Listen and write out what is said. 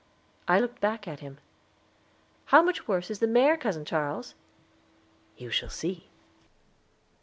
I looked back at him. "How much worse is the mare, cousin Charles?" "You shall see."